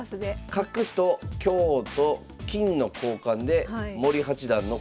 角と香と金の交換で森八段の駒損。